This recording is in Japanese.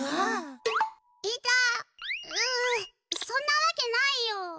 そんなわけないよ！